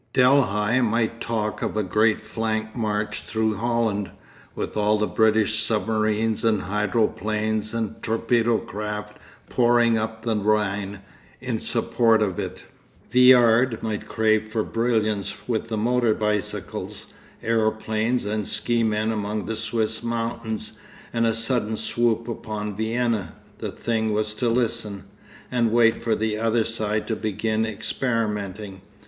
Delhi might talk of a great flank march through Holland, with all the British submarines and hydroplanes and torpedo craft pouring up the Rhine in support of it; Viard might crave for brilliance with the motor bicycles, aeroplanes, and ski men among the Swiss mountains, and a sudden swoop upon Vienna; the thing was to listen—and wait for the other side to begin experimenting.